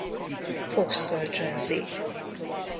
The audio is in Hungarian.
Fox kölcsönzi.